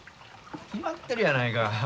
決まっとるやないか。